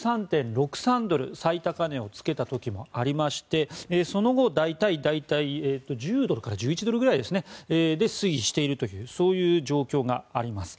１３．６３ドル最高値を付けた時もありましてその後、大体１０ドルから１１ドルぐらいで推移しているという状況があります。